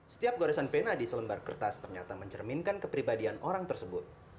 setiap goresan pena di selembar kertas ternyata mencerminkan kepribadian orang tersebut